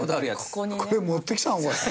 これ持ってきたの？